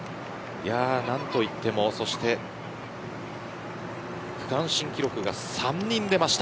何と言っても、そして区間新記録が３人出ました。